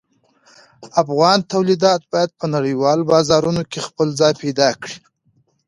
افغان تولیدات باید په نړیوالو بازارونو کې خپل ځای پیدا کړي.